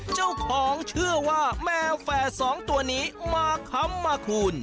เจ้าของเชื่อว่าแมวแฝดสองตัวนี้มาคำมาคุณ